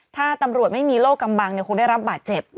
ถ้าตำรวจไม่มีโรคกำบังคงได้รับบาดเจ็บ